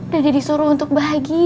dan dedek disuruh untuk bahagia